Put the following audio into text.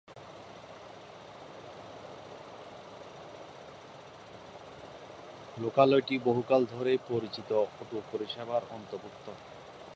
লোকালয়টি বহুকাল ধরেই পরিচিত অটো পরিষেবার অন্তর্ভুক্ত।